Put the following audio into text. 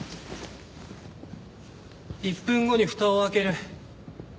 １分後に蓋を開ける。